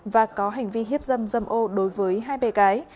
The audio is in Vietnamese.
và có hành vi hiếp dâm ô đối với hai bé gái